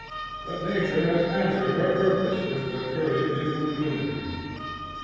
But Nature has answered her purpose with the curly, dimpled lunatic.